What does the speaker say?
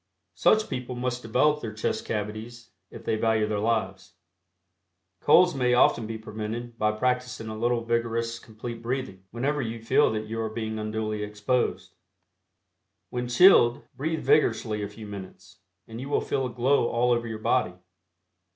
Such people must develop their chest cavities if they value their lives. Colds may often be prevented by practicing a little vigorous Complete Breathing whenever you feel that you are being unduly exposed. When chilled, breathe vigorously a few minutes, and you will feel a glow all over your body.